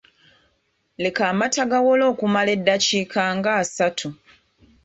Leka amata gawole okumala eddakiika ng’asatu.